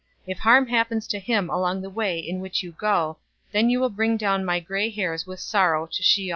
If harm happens to him along the way in which you go, then you will bring down my gray hairs with sorrow to Sheol."